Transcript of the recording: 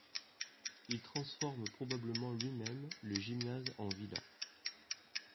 Il transforme probablement lui-même le gymnase en villa.